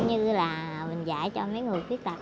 như là mình dạy cho mấy người phiết tật